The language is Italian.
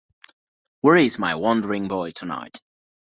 Where Is My Wandering Boy Tonight?